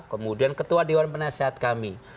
kemudian ketua dewan penasehat kami